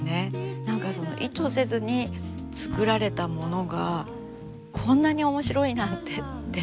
何か意図せずに作られたものがこんなに面白いなんてって。